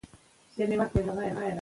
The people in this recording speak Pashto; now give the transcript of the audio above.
که پوستکی وي نو لمس نه مري.